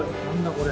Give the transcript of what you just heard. これ。